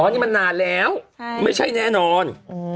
นี่มันนานแล้วไม่ใช่แน่นอน